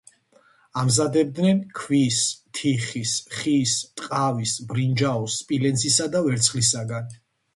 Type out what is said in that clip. ამზადებენ ქვის, თიხის, ხის, ტყავის, ბრინჯაოს, სპილენძისა და ვერცხლისაგან.